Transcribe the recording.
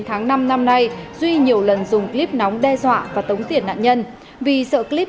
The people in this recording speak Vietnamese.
tháng năm năm nay duy nhiều lần dùng clip nóng đe dọa và tống tiền nạn nhân vì sợ clip